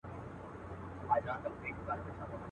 تشېدل به د شرابو ډك خمونه.